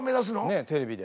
ねっテレビで。